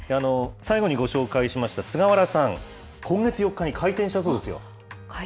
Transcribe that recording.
最後にご紹介しました菅原さん、今月４日に開店したそうですよ。